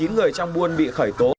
một mươi chín người trong buôn bị khởi tố